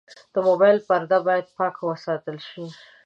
د موبایل پرده باید پاکه وساتل شي.